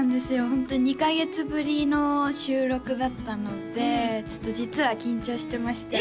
ホント２カ月ぶりの収録だったのでちょっと実は緊張してました